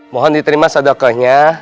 mohon diterima sodokohnya